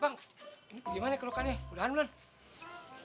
bang ini gimana kerokannya udahan belum